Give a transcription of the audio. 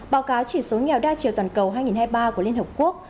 báo cáo chỉ số nghèo đa chiều toàn cầu hai nghìn hai mươi ba của liên hợp quốc